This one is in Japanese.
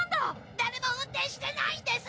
誰も運転してないんです！